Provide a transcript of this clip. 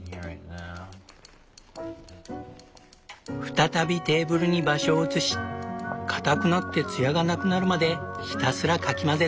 再びテーブルに場所を移しかたくなって艶がなくなるまでひたすらかき混ぜる。